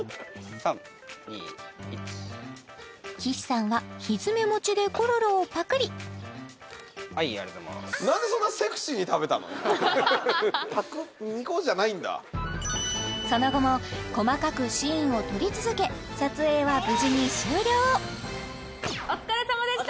３２１岸さんは蹄持ちでコロロをパクリはいありがとうございますパクニコッじゃないんだその後も細かくシーンを撮り続け撮影は無事に終了お疲れさまでした！